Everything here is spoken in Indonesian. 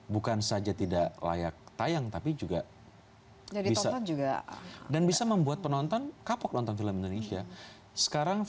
bukan saja tidak layak tayang tapi juga bisa juga dan bisa membuat penonton kapok nonton film indonesia